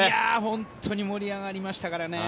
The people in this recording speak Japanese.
本当に盛り上がりましたからね。